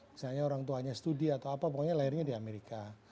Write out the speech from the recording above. misalnya orang tuanya studi atau apa pokoknya lahirnya di amerika